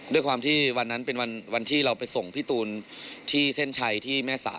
ด้วยความที่วันนั้นเป็นวันที่เราไปส่งพี่ตูนที่เส้นชัยที่แม่สาย